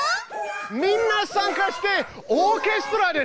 みんな参加してオーケストラです。